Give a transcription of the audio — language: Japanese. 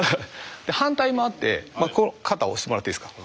反対もあって肩押してもらっていいですか？